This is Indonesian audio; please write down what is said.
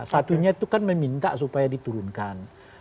satunya itu kan meminta supaya diturunkan